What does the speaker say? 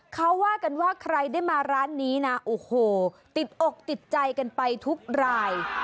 เขาว่ากันว่าใครได้มาร้านนี้นะโอ้โหติดอกติดใจกันไปทุกราย